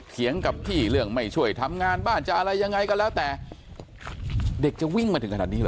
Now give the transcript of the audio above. กับพี่เรื่องไม่ช่วยทำงานบ้านจะอะไรยังไงก็แล้วแต่เด็กจะวิ่งมาถึงขนาดนี้หรอ